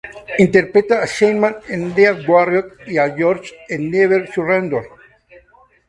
Interpreta a Shaman en "Death Warrior", y a Georges en "Never Surrender".